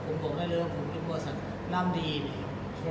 ผมบอกได้เลยว่าผมเป็นบอสัตว์นามดีนะครับ